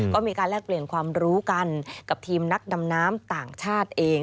ก็มีการแลกเปลี่ยนความรู้กันกับทีมนักดำน้ำต่างชาติเอง